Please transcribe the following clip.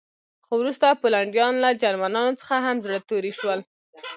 خو وروسته پولنډیان له جرمنانو څخه هم زړه توري شول